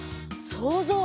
そうぞう！